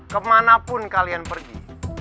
kemana pun kalian pergi